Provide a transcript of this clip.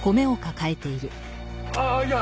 ああいや